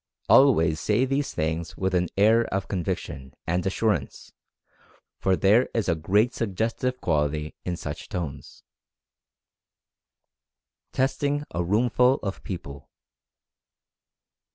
Always say these things 96 Mental Fascination with an air of conviction, and assurance — for there is a great suggestive quality in such tones. TESTING A ROOMFUL OF PEOPLE.